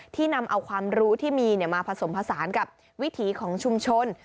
นำเอาความรู้ที่มีมาผสมผสานกับวิถีของชุมชน